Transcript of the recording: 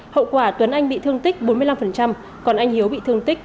hậu quả tuấn anh bị thương tích bốn mươi năm còn anh hiếu bị thương tích